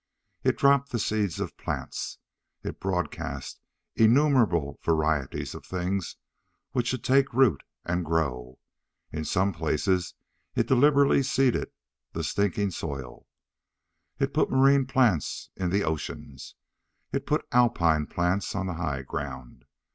It dropped the seeds of plants. It broadcast innumerable varieties of things which should take root and grow. In some places it deliberately seeded the stinking soil. It put marine plants in the oceans. It put alpine plants on the high ground.